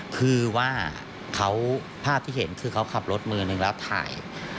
คือว่าภาพที่เห็นคือเขาขับรถมือนึงแล้วถ่าย